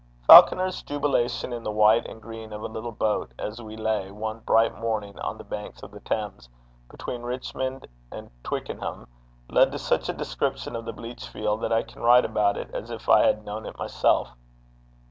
Falconer's jubilation in the white and green of a little boat, as we lay, one bright morning, on the banks of the Thames between Richmond and Twickenham, led to such a description of the bleachfield that I can write about it as if I had known it myself.